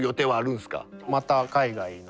また海外の。